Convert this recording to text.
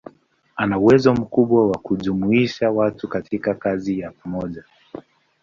Ana uwezo mkubwa wa kujumuisha watu katika kazi ya pamoja.